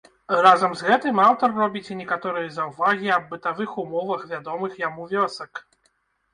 Разам з гэтым аўтар робіць і некаторыя заўвагі аб бытавых умовах вядомых яму вёсак.